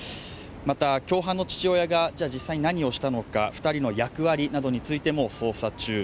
また、共犯の父親が実際に何をしたのか、２人の役割などについても捜査中。